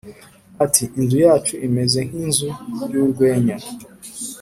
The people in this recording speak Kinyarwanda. Ati Inzu yacu imeze nk’inzu y’urwenya.